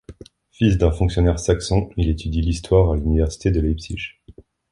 Fils d'un fonctionnaire saxon, il étudie l'Histoire à l'Université de Leipzig.